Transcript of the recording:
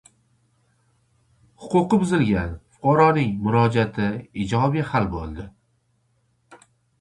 Huquqi buzilgan fuqaroning murojaati ijobiy hal bo`ldi